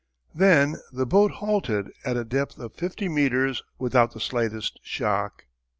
Then the boat halted at a depth of fifty meters without the slightest shock.